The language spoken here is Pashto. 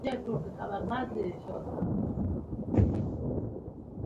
مصنوعي ځیرکتیا د کلتوري پوهاوي ملاتړ کوي.